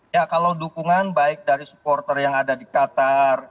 ya kalau dukungan baik dari supporter yang ada di qatar